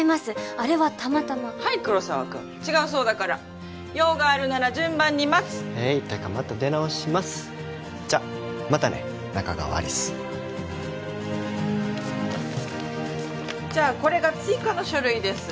あれはたまたまはい黒澤君違うそうだから用があるなら順番に待つへいてかまた出直しますじゃまたね仲川有栖じゃあこれが追加の書類です